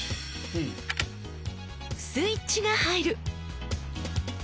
スイッチが入る！